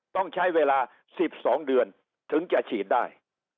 ต้องใช้เวลา๑๒เดือนถึงจะฉีดได้